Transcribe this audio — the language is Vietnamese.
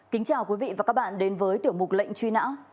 kính chào quý vị và các bạn đến với tiểu mục lệnh truy nã